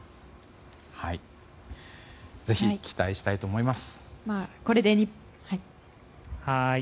ぜひ期待したいと思います。